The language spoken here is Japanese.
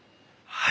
はい。